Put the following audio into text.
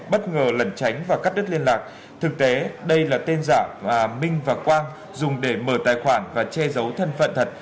bất ngờ lẩn tránh và cắt đứt liên lạc thực tế đây là tên giả mà minh và quang dùng để mở tài khoản và che giấu thân phận thật